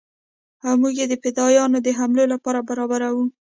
او موږ يې د فدايانو د حملو لپاره برابرو.